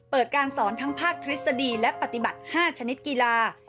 การสอนทั้งภาคทฤษฎีและปฏิบัติ๕ชนิดกีฬา